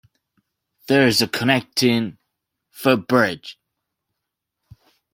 There is a connecting footbridge.